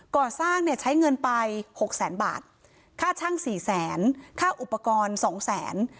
ก่อสร้างใช้เงินไป๖แสนบาทค่าช่าง๔แสนค่าอุปกรณ์๒แสน